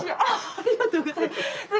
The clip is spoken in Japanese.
ありがとうございます。